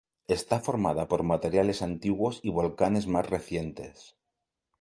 Está formada por materiales antiguos y volcanes más recientes.